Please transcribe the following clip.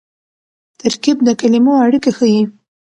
ترکیب د کلیمو اړیکه ښيي.